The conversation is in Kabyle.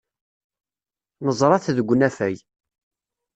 Neẓra-t deg unafag.